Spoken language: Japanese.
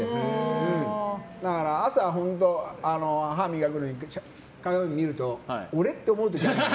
だから、朝は本当歯を磨く時に鏡を見ると俺？って思う時ある。